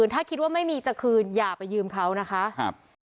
ถ้าคิดว่าไม่มีจะคืนอย่าไปยืมเขานะคะ